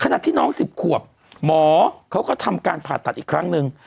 ที่น้อง๑๐ขวบหมอเขาก็ทำการผ่าตัดอีกครั้งหนึ่ง